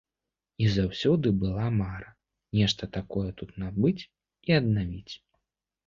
І заўсёды была мара нешта такое тут набыць і аднавіць.